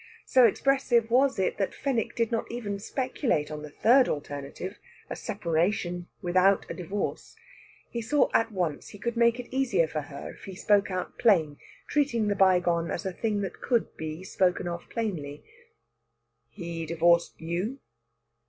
So expressive was it that Fenwick did not even speculate on the third alternative a separation without a divorce. He saw at once he could make it easier for her if he spoke out plain, treating the bygone as a thing that could be spoken of plainly. "He divorced you?"